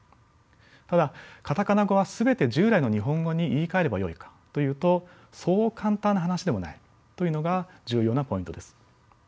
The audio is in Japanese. ただカタカナ語は全て従来の日本語に言いかえればよいかというとそう簡単な話でもないというのが重要なポイントです。